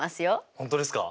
本当ですか？